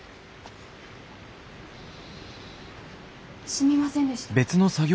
すみませんでした。